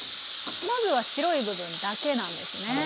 まずは白い部分だけなんですね。